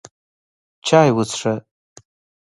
چای وڅښه!